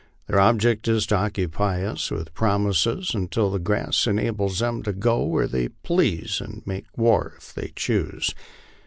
Their object is to occupy us with promises until the grass enables them to go where they please and make war if they choose.